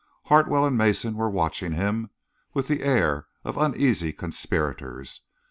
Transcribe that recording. Hartwell and Mason were watching him with the air of uneasy conspirators.